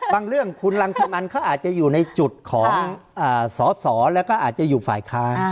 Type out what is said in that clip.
เรื่องคุณรังสิมันเขาอาจจะอยู่ในจุดของสอสอแล้วก็อาจจะอยู่ฝ่ายค้าน